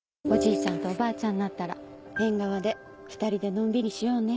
ちゃんとおばあちゃんになったら縁側で２人でのんびりしようね。